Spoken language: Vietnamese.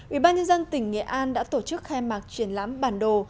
ủy ban nhân dân tỉnh nghệ an đã tổ chức khai mạc triển lãm bản đồ